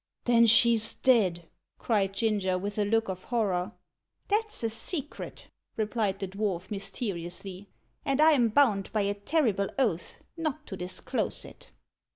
"Then she's dead!" cried Ginger, with a look of horror. "That's a secret," replied the dwarf mysteriously; "and I'm bound by a terrible oath not to disclose it."